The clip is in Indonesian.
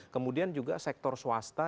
kemudian juga sektor swasta